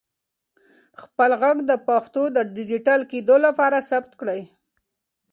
خپل ږغ د پښتو د ډیجیټل کېدو لپاره ثبت کړئ.